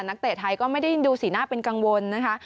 เตะไทยก็ไม่ได้ดูสีหน้าเป็นกังวลนะคะ